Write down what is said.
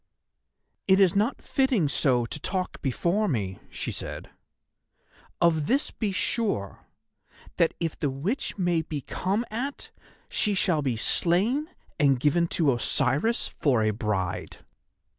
"It is not fitting so to talk before me," she said. "Of this be sure, that if the Witch may be come at, she shall be slain and given to Osiris for a bride."